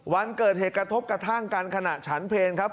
วันเกิดเหตุกระทบกระทั่งกันขณะฉันเพลงครับ